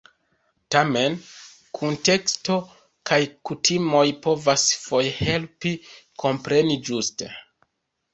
Tamen, kunteksto kaj kutimoj povas foje helpi kompreni ĝuste.